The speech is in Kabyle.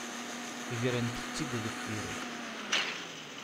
Grent-tt-id deffir-k.